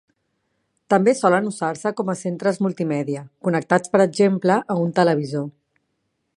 També solen usar-se com centres multimèdia, connectats per exemple a un televisor.